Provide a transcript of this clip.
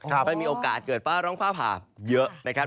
ก็มีโอกาสเกิดฟ้าร้องฟ้าผ่าเยอะนะครับ